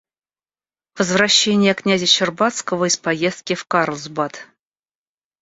Возвращение кн. Щербацкого из поездки в Карлсбад.